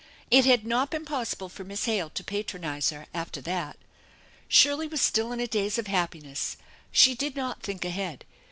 It had not been possible for Miss Hale to patronize her after that. Shirley was still in a daze of happiness. She did not think ahead.